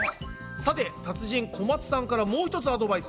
さて達人小松さんからもうひとつアドバイスです。